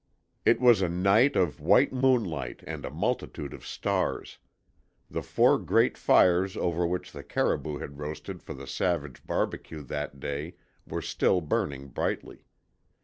It was a night of white moonlight and a multitude of stars. The four great fires over which the caribou had roasted for the savage barbecue that day were still burning brightly.